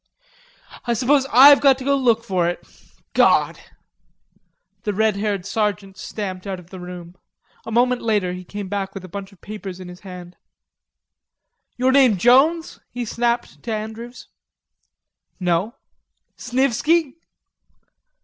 "I suppose I've got to go look for it.... God!" The red haired sergeant stamped out of the room. A moment later he came back with a bunch of papers in his hand. "Your name Jones?" he snapped to Andrews. "No." "Snivisky?"